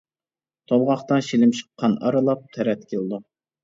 تولغاقتا شىلىمشىق قان ئارىلاپ تەرەت كېلىدۇ.